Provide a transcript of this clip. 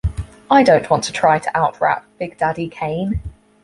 I don't want to try to out-rap Big Daddy Kane.